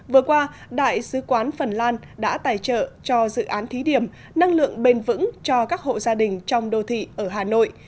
vừa qua đại sứ quán phần lan đã tài trợ cho dự án thí điểm năng lượng bền vững cho các hộ gia đình trong đô thị ở hà nội